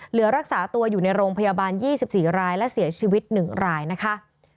เหลือรักษาตัวอยู่ในโรงพยาบาล๒๔รายและเสียชีวิต๑รายนะคะ